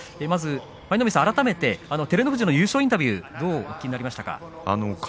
舞の海さん、改めて照ノ富士の優勝インタビューはどうお聞きになりましたか。